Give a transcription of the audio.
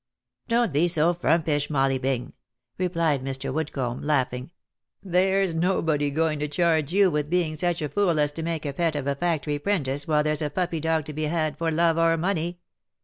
" Don't be so frumpish, Molly Bing," replied Mr. Woodcomb, laugh ing, " there's nobody going to charge you with being such a fool as to make a pet of a factory 'prentice while there's a puppy dog to be had for love or money.